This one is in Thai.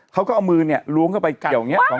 เขาก็เอามือเนี่ยล้วงเข้าไปกัน